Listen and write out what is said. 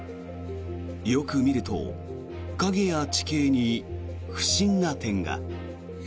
よく見ると影や地形に不審な点が。